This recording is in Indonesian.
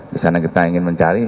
di sana kita ingin mencari